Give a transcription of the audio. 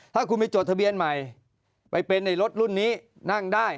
ถ้าคุณไปจดทะเบียนใหม่ไปเป็นในรถรุ่นนี้นั่งได้